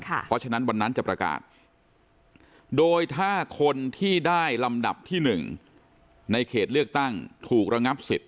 เพราะฉะนั้นวันนั้นจะประกาศโดยถ้าคนที่ได้ลำดับที่๑ในเขตเลือกตั้งถูกระงับสิทธิ